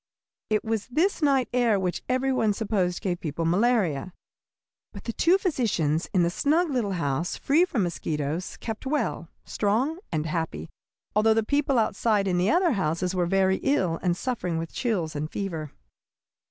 It was this night air which every one supposed gave people malaria. But the two physicians in the snug little house, free from mosquitoes, kept well, strong, and happy, although the people outside in the other houses were very ill and suffering with chills and fever.